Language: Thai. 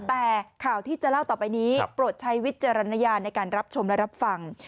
แต่ข่าวที่จะเล่าต่อไปนี้โปรดใช้วิจารณญาณในการรับชมและรับฟัง